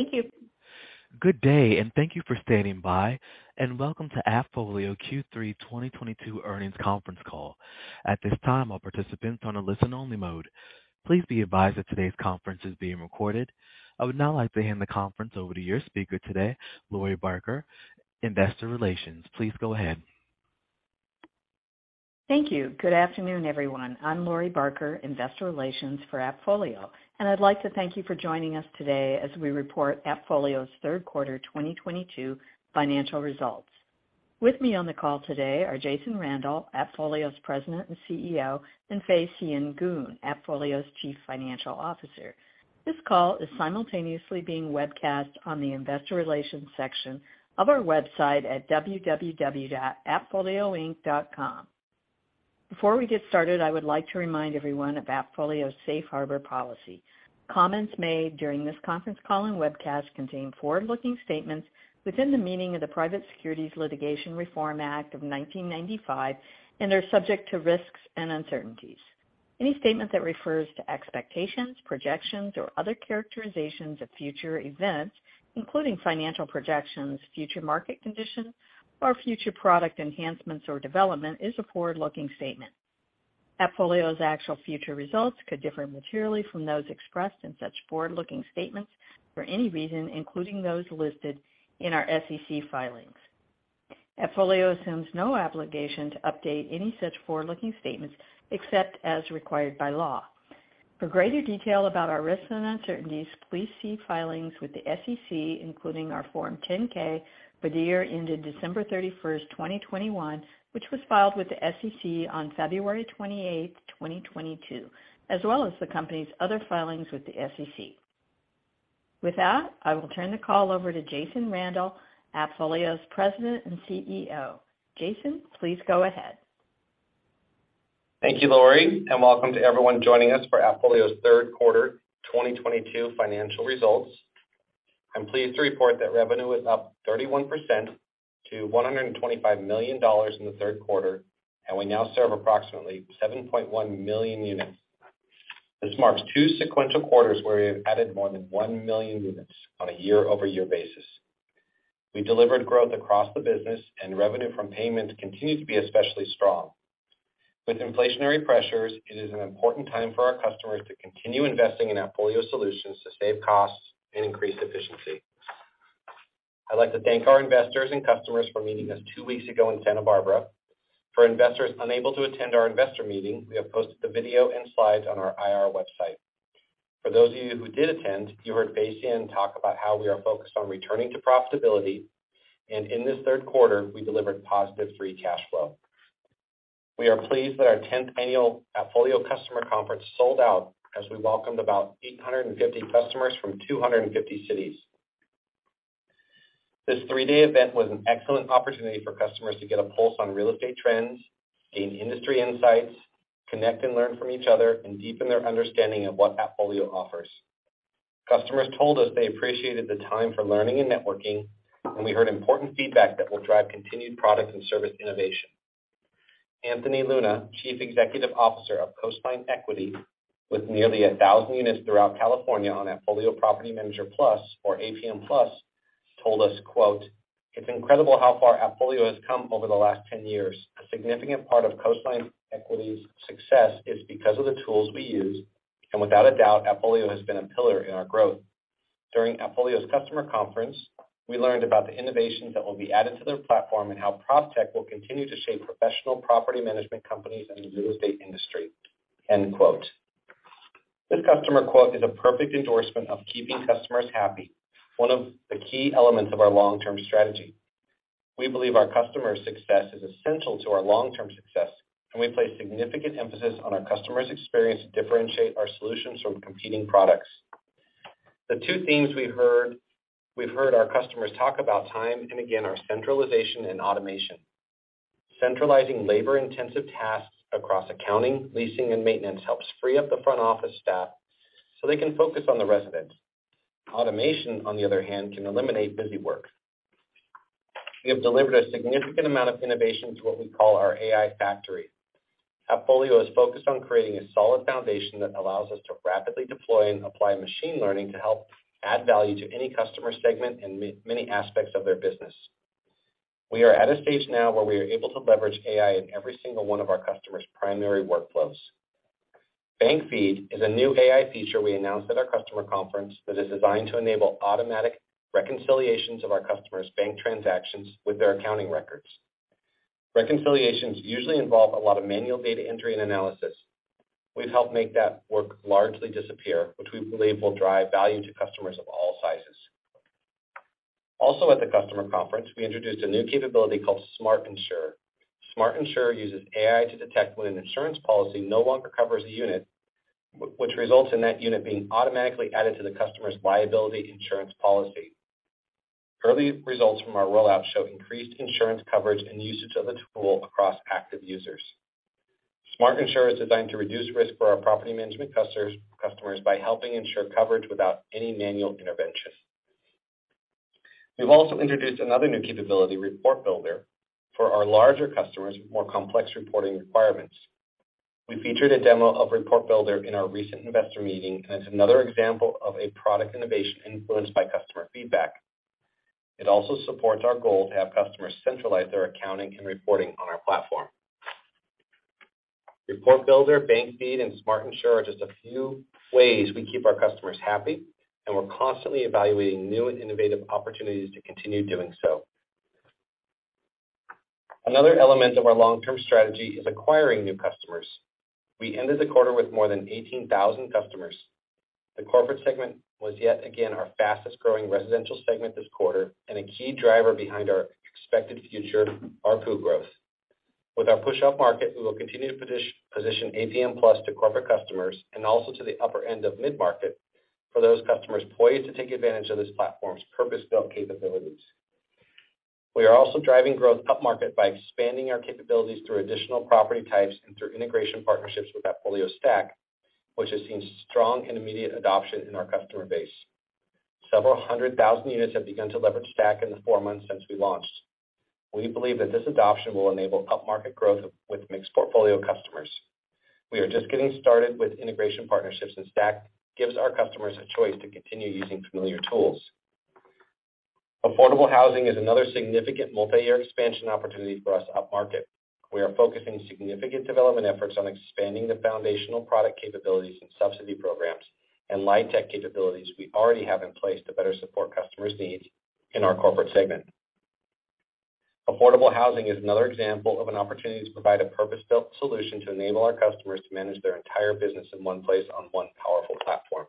Thank you. Good day, and thank you for standing by and welcome to AppFolio Q3 2022 earnings conference call. At this time, all participants are in listen-only mode. Please be advised that today's conference is being recorded. I would now like to hand the conference over to your speaker today, Lori Barker, Investor Relations. Please go ahead. Thank you. Good afternoon, everyone. I'm Lori Barker, investor relations for AppFolio, and I'd like to thank you for joining us today as we report AppFolio's third quarter 2022 financial results. With me on the call today are Jason Randall, AppFolio's President and CEO, and Fay Sien Goon, AppFolio's Chief Financial Officer. This call is simultaneously being webcast on the investor relations section of our website at appfolioinc.com. Before we get started, I would like to remind everyone of AppFolio's Safe Harbor policy. Comments made during this conference call and webcast contain forward-looking statements within the meaning of the Private Securities Litigation Reform Act of 1995, and are subject to risks and uncertainties. Any statement that refers to expectations, projections, or other characterizations of future events, including financial projections, future market conditions, or future product enhancements or development, is a forward-looking statement. AppFolio's actual future results could differ materially from those expressed in such forward-looking statements for any reason, including those listed in our SEC filings. AppFolio assumes no obligation to update any such forward-looking statements except as required by law. For greater detail about our risks and uncertainties, please see filings with the SEC, including our Form 10-K for the year ended December 31, 2021, which was filed with the SEC on February 28, 2022, as well as the company's other filings with the SEC. With that, I will turn the call over to Jason Randall, AppFolio's president and CEO. Jason, please go ahead. Thank you, Lori, and welcome to everyone joining us for AppFolio's third quarter 2022 financial results. I'm pleased to report that revenue is up 31% to $125 million in the third quarter, and we now serve approximately 7.1 million units. This marks 2 sequential quarters where we have added more than 1 million units on a year-over-year basis. We delivered growth across the business, and revenue from payments continued to be especially strong. With inflationary pressures, it is an important time for our customers to continue investing in AppFolio solutions to save costs and increase efficiency. I'd like to thank our investors and customers for meeting us two weeks ago in Santa Barbara. For investors unable to attend our investor meeting, we have posted the video and slides on our IR website. For those of you who did attend, you heard Fay Sien Goon talk about how we are focused on returning to profitability. In this third quarter, we delivered positive free cash flow. We are pleased that our tenth annual AppFolio customer conference sold out as we welcomed about 850 customers from 250 cities. This three-day event was an excellent opportunity for customers to get a pulse on real estate trends, gain industry insights, connect and learn from each other, and deepen their understanding of what AppFolio offers. Customers told us they appreciated the time for learning and networking, and we heard important feedback that will drive continued product and service innovation. Anthony A. Luna, Chief Executive Officer of Coastline Equity, with nearly 1,000 units throughout California on AppFolio Property Manager Plus or APM Plus, told us, quote, "It's incredible how far AppFolio has come over the last 10 years. A significant part of Coastline Equity's success is because of the tools we use, and without a doubt, AppFolio has been a pillar in our growth. During AppFolio's customer conference, we learned about the innovations that will be added to their platform and how PropTech will continue to shape professional property management companies in the real estate industry." End quote. This customer quote is a perfect endorsement of keeping customers happy, one of the key elements of our long-term strategy. We believe our customers' success is essential to our long-term success, and we place significant emphasis on our customers' experience to differentiate our solutions from competing products. The two themes we've heard our customers talk about, time and again, are centralization and automation. Centralizing labor-intensive tasks across accounting, leasing, and maintenance helps free up the front office staff so they can focus on the residents. Automation, on the other hand, can eliminate busywork. We have delivered a significant amount of innovation to what we call our AI factory. AppFolio is focused on creating a solid foundation that allows us to rapidly deploy and apply machine learning to help add value to any customer segment in many aspects of their business. We are at a stage now where we are able to leverage AI in every single one of our customers' primary workflows. Bank Feed is a new AI feature we announced at our customer conference that is designed to enable automatic reconciliations of our customers' bank transactions with their accounting records. Reconciliations usually involve a lot of manual data entry and analysis. We've helped make that work largely disappear, which we believe will drive value to customers of all sizes. Also at the customer conference, we introduced a new capability called Smart Insure. Smart Insure uses AI to detect when an insurance policy no longer covers a unit, which results in that unit being automatically added to the customer's liability insurance policy. Early results from our rollout show increased insurance coverage and usage of the tool across active users. Smart Insure is designed to reduce risk for our property management customers by helping ensure coverage without any manual intervention. We've also introduced another new capability, Report Builder, for our larger customers with more complex reporting requirements. We featured a demo of Report Builder in our recent investor meeting, and it's another example of a product innovation influenced by customer feedback. It also supports our goal to have customers centralize their accounting and reporting on our platform. Report Builder, Bank Feed, and Smart Insure are just a few ways we keep our customers happy, and we're constantly evaluating new and innovative opportunities to continue doing so. Another element of our long-term strategy is acquiring new customers. We ended the quarter with more than 18,000 customers. The corporate segment was yet again our fastest-growing residential segment this quarter and a key driver behind our expected future ARPU growth. With our push upmarket, we will continue to position APM Plus to corporate customers and also to the upper end of mid-market for those customers poised to take advantage of this platform's purpose-built capabilities. We are also driving growth up-market by expanding our capabilities through additional property types and through integration partnerships with AppFolio Stack, which has seen strong and immediate adoption in our customer base. Several hundred thousand units have begun to leverage Stack in the 4 months since we launched. We believe that this adoption will enable upmarket growth with mixed portfolio customers. We are just getting started with integration partnerships, and Stack gives our customers a choice to continue using familiar tools. Affordable Housing is another significant multi-year expansion opportunity for us upmarket. We are focusing significant development efforts on expanding the foundational product capabilities and subsidy programs and LIHTC capabilities we already have in place to better support customers' needs in our corporate segment. Affordable Housing is another example of an opportunity to provide a purpose-built solution to enable our customers to manage their entire business in one place on one powerful platform.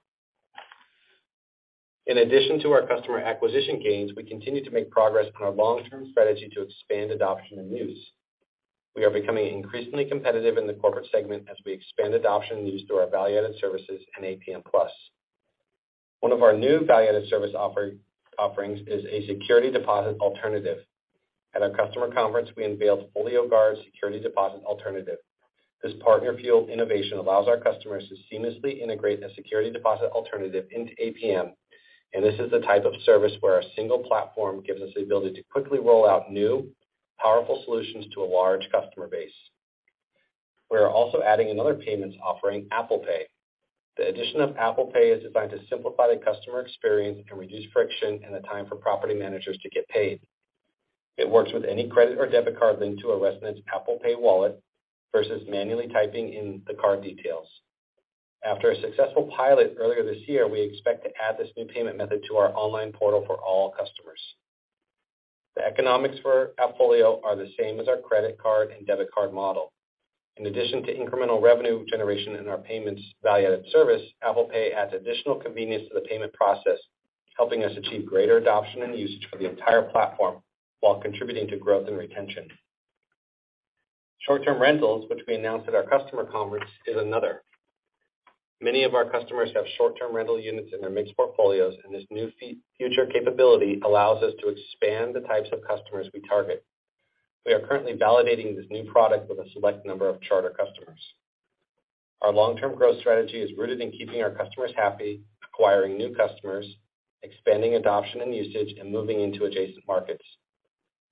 In addition to our customer acquisition gains, we continue to make progress on our long-term strategy to expand adoption and use. We are becoming increasingly competitive in the corporate segment as we expand adoption and use through our value-added services and APM Plus. One of our new value-added service offerings is a security deposit alternative. At our customer conference, we unveiled FolioGuard security deposit alternative. This partner-fueled innovation allows our customers to seamlessly integrate the security deposit alternative into APM, and this is the type of service where our single platform gives us the ability to quickly roll out new, powerful solutions to a large customer base. We are also adding another payments offering, Apple Pay. The addition of Apple Pay is designed to simplify the customer experience and reduce friction and the time for property managers to get paid. It works with any credit or debit card linked to a resident's Apple Pay wallet versus manually typing in the card details. After a successful pilot earlier this year, we expect to add this new payment method to our online portal for all customers. The economics for AppFolio are the same as our credit card and debit card model. In addition to incremental revenue generation in our payments value-added service, Apple Pay adds additional convenience to the payment process, helping us achieve greater adoption and usage for the entire platform while contributing to growth and retention. Short-term rentals, which we announced at our customer conference, is another. Many of our customers have short-term rental units in their mixed portfolios, and this new future capability allows us to expand the types of customers we target. We are currently validating this new product with a select number of charter customers. Our long-term growth strategy is rooted in keeping our customers happy, acquiring new customers, expanding adoption and usage, and moving into adjacent markets.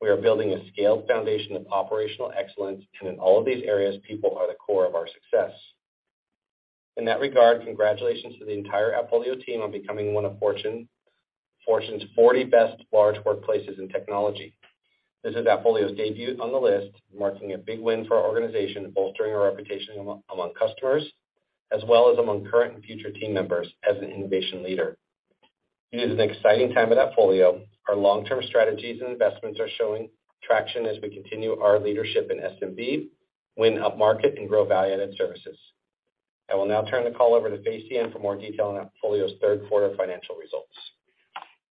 We are building a scaled foundation of operational excellence, and in all of these areas, people are the core of our success. In that regard, congratulations to the entire AppFolio team on becoming one of Fortune's 40 best large workplaces in technology. This is AppFolio's debut on the list, marking a big win for our organization, bolstering our reputation among customers, as well as among current and future team members as an innovation leader. It is an exciting time at AppFolio. Our long-term strategies and investments are showing traction as we continue our leadership in SMB, win upmarket, and grow value-added services. I will now turn the call over to Fay Sien Goon for more detail on AppFolio's third quarter financial results.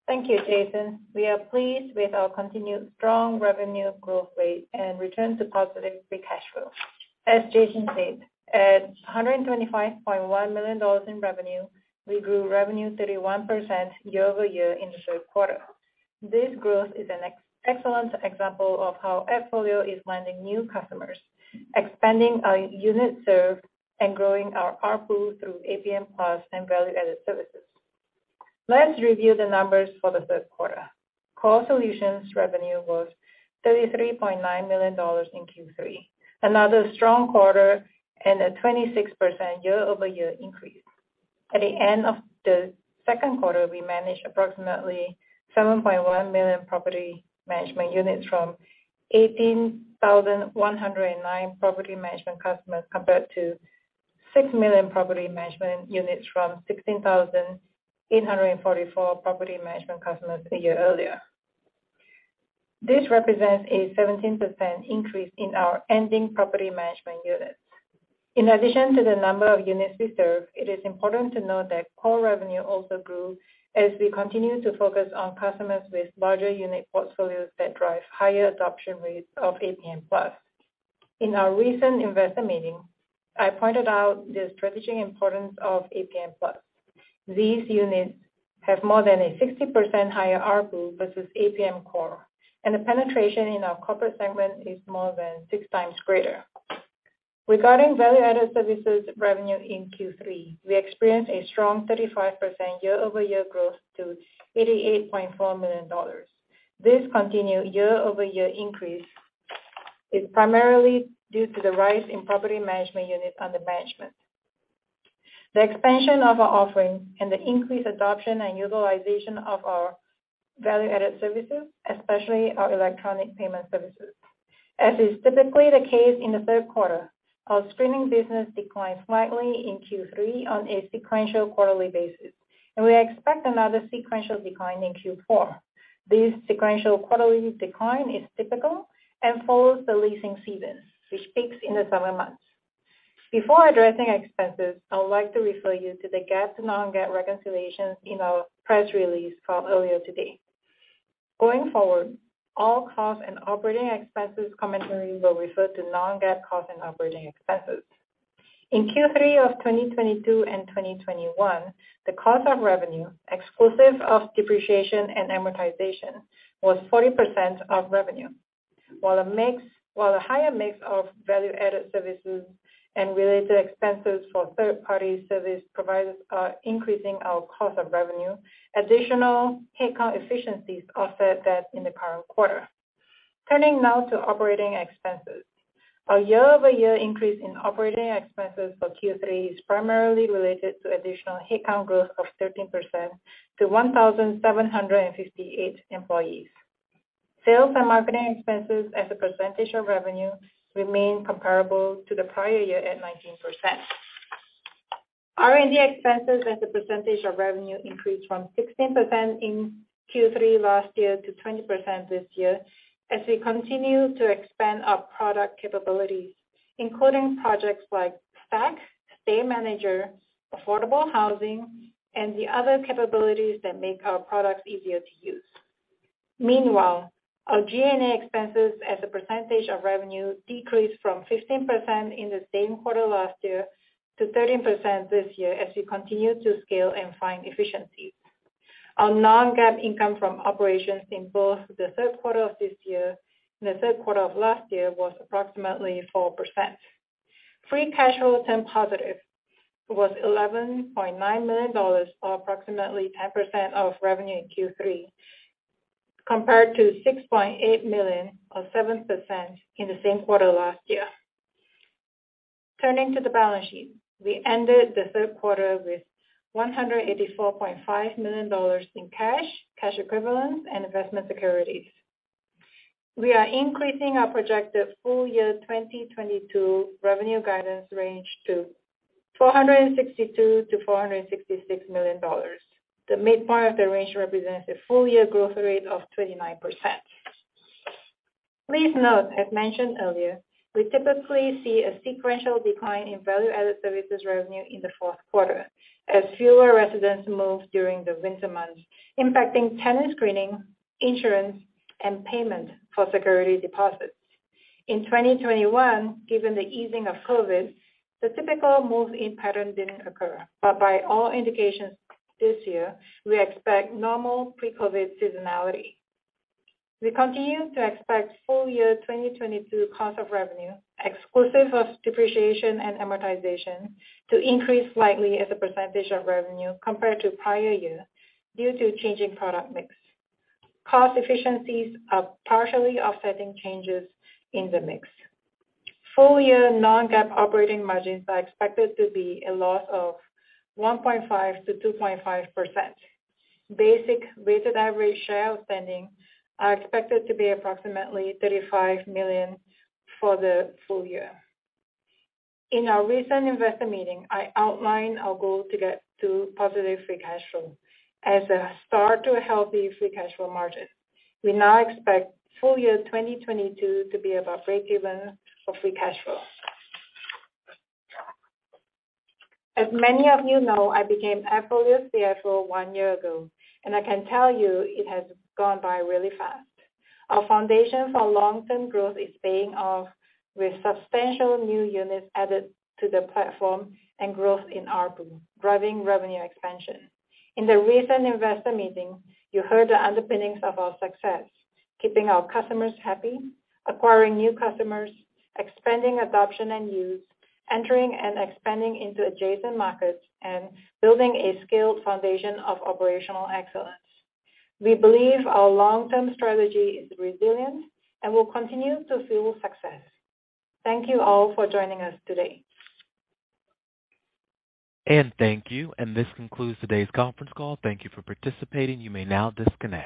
Thank you, Jason. We are pleased with our continued strong revenue growth rate and return to positive free cash flow. As Jason said, $125.1 million in revenue, we grew revenue 31% year-over-year in the third quarter. This growth is an excellent example of how AppFolio is landing new customers, expanding our units served, and growing our ARPU through APM+ and value-added services. Let's review the numbers for the third quarter. Core solutions revenue was $33.9 million in Q3, another strong quarter and a 26% year-over-year increase. At the end of the second quarter, we managed approximately 7.1 million property management units from 18,109 property management customers, compared to 6 million property management units from 16,844 property management customers a year earlier. This represents a 17% increase in our ending property management units. In addition to the number of units we serve, it is important to note that core revenue also grew as we continue to focus on customers with larger unit portfolios that drive higher adoption rates of APM+. In our recent investor meeting, I pointed out the strategic importance of APM+. These units have more than a 60% higher ARPU versus APM core, and the penetration in our corporate segment is more than 6 times greater. Regarding value-added services revenue in Q3, we experienced a strong 35% year-over-year growth to $88.4 million. This continued year-over-year increase is primarily due to the rise in property management units under management. The expansion of our offerings and the increased adoption and utilization of our value-added services, especially our electronic payment services. As is typically the case in the third quarter, our screening business declined slightly in Q3 on a sequential quarterly basis, and we expect another sequential decline in Q4. This sequential quarterly decline is typical and follows the leasing season, which peaks in the summer months. Before addressing expenses, I would like to refer you to the GAAP to non-GAAP reconciliations in our press release from earlier today. Going forward, all costs and operating expenses commentary will refer to non-GAAP costs and operating expenses. In Q3 of 2022 and 2021, the cost of revenue, exclusive of depreciation and amortization, was 40% of revenue. While a higher mix of value-added services and related expenses for third-party service providers are increasing our cost of revenue, additional headcount efficiencies offset that in the current quarter. Turning now to operating expenses. Our year-over-year increase in operating expenses for Q3 is primarily related to additional headcount growth of 13% to 1,758 employees. Sales and marketing expenses as a percentage of revenue remain comparable to the prior year at 19%. R&D expenses as a percentage of revenue increased from 16% in Q3 last year to 20% this year as we continue to expand our product capabilities, including projects like Stack, Stay Manager, Affordable Housing, and the other capabilities that make our products easier to use. Meanwhile, our G&A expenses as a percentage of revenue decreased from 15% in the same quarter last year to 13% this year as we continue to scale and find efficiencies. Our non-GAAP income from operations in both the third quarter of this year and the third quarter of last year was approximately 4%. Free cash flow turned positive at $11.9 million or approximately 10% of revenue in Q3, compared to $6.8 million or 7% in the same quarter last year. Turning to the balance sheet. We ended the third quarter with $184.5 million in cash equivalents, and investment securities. We are increasing our projected full year 2022 revenue guidance range to $462 million-$466 million. The midpoint of the range represents a full year growth rate of 29%. Please note, as mentioned earlier, we typically see a sequential decline in value-added services revenue in the fourth quarter as fewer residents move during the winter months, impacting tenant screening, insurance, and payment for security deposits. In 2021, given the easing of COVID, the typical move-in pattern didn't occur. By all indications this year, we expect normal pre-COVID seasonality. We continue to expect full year 2022 cost of revenue, exclusive of depreciation and amortization, to increase slightly as a percentage of revenue compared to prior year due to changing product mix. Cost efficiencies are partially offsetting changes in the mix. Full year non-GAAP operating margins are expected to be a loss of 1.5%-2.5%. Basic weighted average shares outstanding are expected to be approximately 35 million for the full year. In our recent investor meeting, I outlined our goal to get to positive free cash flow as a start to a healthy free cash flow margin. We now expect full year 2022 to be about breakeven for free cash flow. As many of you know, I became AppFolio CFO one year ago, and I can tell you it has gone by really fast. Our foundation for long-term growth is paying off with substantial new units added to the platform and growth in ARPU, driving revenue expansion. In the recent investor meeting, you heard the underpinnings of our success, keeping our customers happy, acquiring new customers, expanding adoption and use, entering and expanding into adjacent markets, and building a scaled foundation of operational excellence. We believe our long-term strategy is resilient and will continue to fuel success. Thank you all for joining us today. Thank you. This concludes today's conference call. Thank you for participating. You may now disconnect.